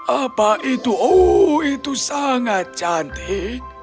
apa itu oh itu sangat cantik